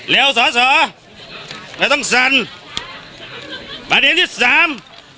เร็วสอสอไม่ต้องสั่นประเด็นที่สาม